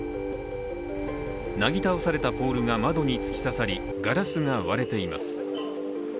なぎ倒されたポールが窓に突き刺さりガラスが割れています。